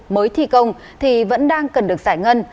mới thi công thì vẫn đang cần được giải ngân